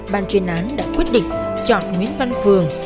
ban chuyên án đã quyết định chọn nguyễn văn phường